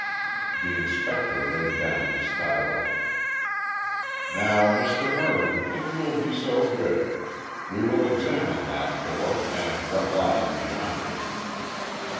The inspector laid down his stylo. "Now, Mr Mervyn, if you will be so good. We will examine that door, and what lies beyond it."